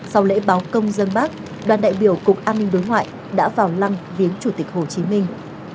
sau lễ báo công dân bác đoàn đại biểu cục an ninh đối ngoại đã vào lăng viếng chủ tịch hồ chí minh